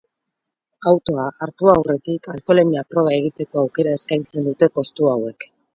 Autoa hartu aurretik alkoholemia proba egiteko aukera eskaintzen dute postu hauek.